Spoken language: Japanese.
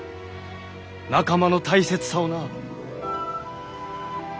仲間の大切さをな。